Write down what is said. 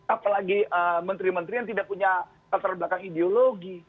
apalagi menteri menteri yang tidak punya latar belakang ideologi